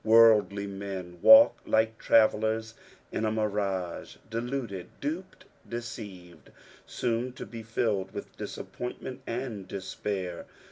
Worldly men walk like travellets ID a mira^, deluded, duped, deceived, soon to be filled with disappointment and despair.